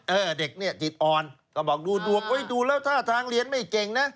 เด็กเนี่ยจิตอ่อนก็บอกดูดวงไว้ดูแล้วท่าทางเรียนไม่เก่งนะ